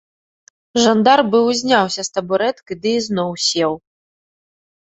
Жандар быў узняўся з табурэткі ды ізноў сеў.